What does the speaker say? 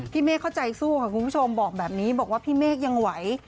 เมฆเขาใจสู้ค่ะคุณผู้ชมบอกแบบนี้บอกว่าพี่เมฆยังไหว